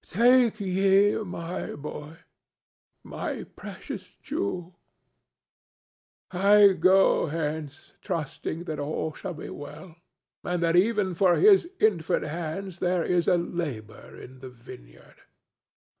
Take ye my boy, my precious jewel. I go hence trusting that all shall be well, and that even for his infant hands there is a labor in the vineyard."